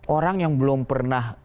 orang yang belum pernah